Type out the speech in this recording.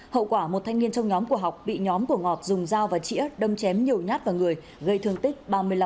hậu quả một thanh niên trong nhóm của học bị nhóm của ngọt dùng dao và chĩa đâm chém nhiều nhát vào người gây thương tích ba mươi năm